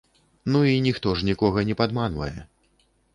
Ну і ніхто ж нікога не падманвае.